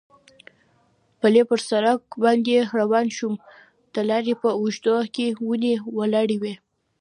پلی پر سړک باندې روان شوم، د لارې په اوږدو کې ونې ولاړې وې.